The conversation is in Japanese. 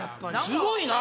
すごいな！